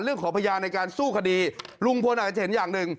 เรื่องของพยานในการสู้คดีลุงพลอดภัยเห็นอย่างหนึ่ง